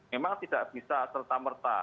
memang tidak bisa serta merta